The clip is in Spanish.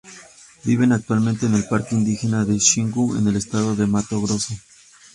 Viven actualmente en el Parque Indígena de Xingu, en el Estado de Mato Grosso.